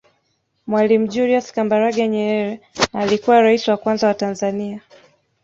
Mwalimu Julius Kambarage Nyerere alikuwa raisi wa kwanza wa Tanzania